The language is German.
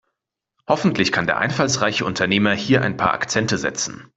Hoffentlich kann der einfallsreiche Unternehmer hier ein paar Akzente setzen.